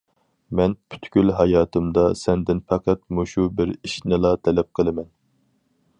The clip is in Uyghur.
مەن پۈتكۈل ھاياتىمدا سەندىن پەقەت مۇشۇ بىر ئىشنىلا تەلەپ قىلىمەن.